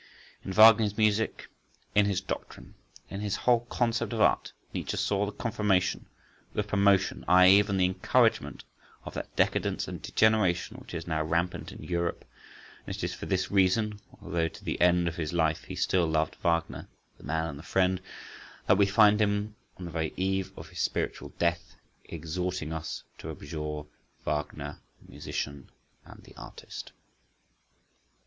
In Wagner's music, in his doctrine, in his whole concept of art, Nietzsche saw the confirmation, the promotion—aye, even the encouragement, of that decadence and degeneration which is now rampant in Europe; and it is for this reason, although to the end of his life he still loved Wagner, the man and the friend, that we find him, on the very eve of his spiritual death, exhorting us to abjure Wagner the musician and the artist. Anthony M.